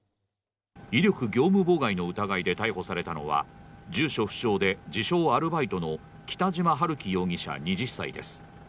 威力業務妨害の疑いで逮捕されたのは住所不詳で自称アルバイトの北島陽樹容疑者２０歳です。